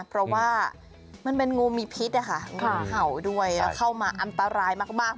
เพราะว่ามันเป็นงูมีพิษนะคะงูเห่าด้วยแล้วเข้ามาอันตรายมาก